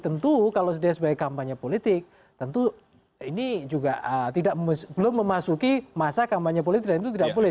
tentu kalau dia sebagai kampanye politik tentu ini juga belum memasuki masa kampanye politik dan itu tidak boleh